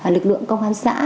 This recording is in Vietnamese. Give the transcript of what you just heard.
lực lượng công an xã